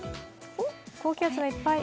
高気圧がいっぱい。